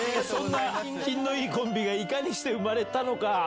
そんな品のいいコンビが、いかにして生まれたのか？